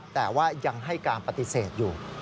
แต่ว่ายังให้การปฏิเสธอยู่